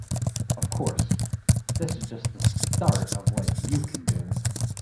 Of course, this is just the start of what you can do.